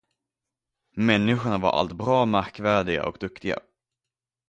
Människorna var allt bra märkvärdiga och duktiga.